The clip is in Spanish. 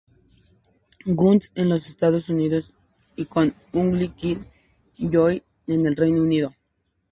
Guns en los Estados Unidos, y con Ugly Kid Joe en el Reino Unido.